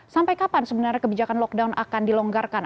sampai kapan sebenarnya kebijakan lockdown akan dilonggarkan